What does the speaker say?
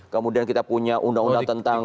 kemudian kita punya undang undang tentang